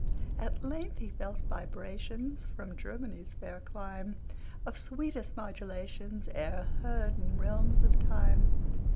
At length he felt vibrations, From Germany's fair clime, Of sweetest modulations E'er heard in realms of time.